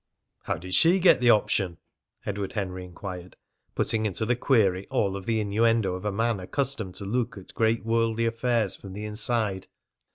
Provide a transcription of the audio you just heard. "How did she get the option?" Edward Henry inquired, putting into the query all the innuendo of a man accustomed to look at great worldly affairs from the inside.